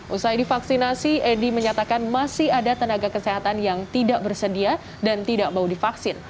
usai divaksinasi edi menyatakan masih ada tenaga kesehatan yang tidak bersedia dan tidak mau divaksin